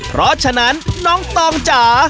เพราะฉะนั้นน้องตองจ๋า